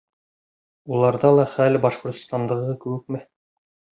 Уларҙа ла хәл Башҡортостандағы кеүекме?